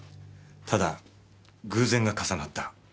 ただ偶然が重なった。